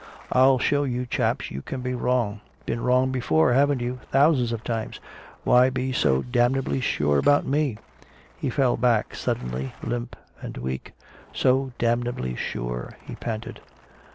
I'll show you chaps you can be wrong! Been wrong before, haven't you, thousands of times! Why be so damnably sure about me?" He fell back suddenly, limp and weak. "So damnably sure," he panted.